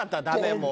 もう。